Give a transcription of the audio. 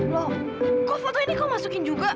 loh kok foto ini kok masukin juga